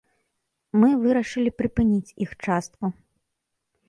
Мы вырашылі прыпыніць іх частку.